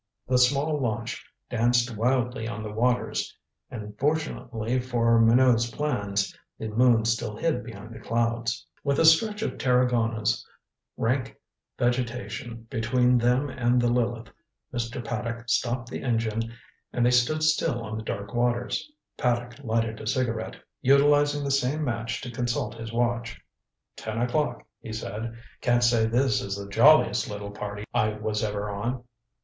The small launch danced wildly on the waters. And fortunately for Minot's plans the moon still hid behind the clouds. With a stretch of Tarragona's rank vegetation between them and the Lileth, Mr. Paddock stopped the engine and they stood still on the dark waters. Paddock lighted a cigarette, utilizing the same match to consult his watch. "Ten o'clock," he said. "Can't say this is the jolliest little party I was ever on."